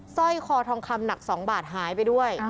สร้อยคอทองคำหนัก๒บาทหายไปด้วย